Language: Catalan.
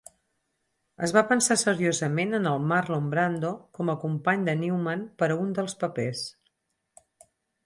Es va pensar seriosament en el Marlon Brando com a company de Newman per a un dels papers.